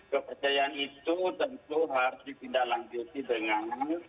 kepercayaan itu tentu harus dipindah lanjuti dengan